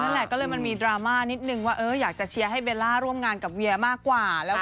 นั่นแหละก็เลยมันมีดราม่านิดนึงว่าอยากจะเชียร์ให้เบลล่าร่วมงานกับเวียมากกว่า